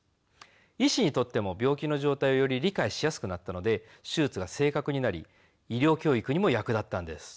医師にとっても病気の状態をより理解しやすくなったので手術が正確になり医療教育にも役立ったんです。